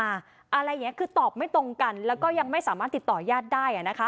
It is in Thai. อะไรกันคือตอบไม่ตรงแล้วก็ยังไม่สามารถติดต่อย้าทได้